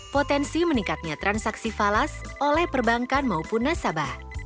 potensi meningkatnya transaksi falas oleh perbankan maupun nasabah